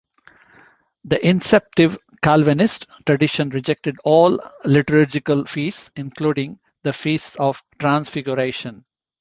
The inceptive Calvinist tradition rejected all liturgical feasts, including the Feast of the Transfiguration.